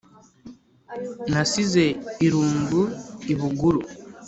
Nasize irungu i Buguru*.